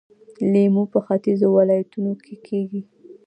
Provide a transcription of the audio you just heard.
لیمو په ختیځو ولایتونو کې کیږي.